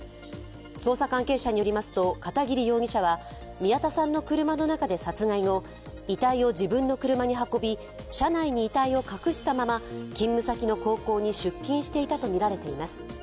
捜査関係者によりますと片桐容疑者は宮田さんの車の中で殺害後、遺体を自分の車に運び車内に遺体を隠したまま勤務先の高校に出勤していたとみられています。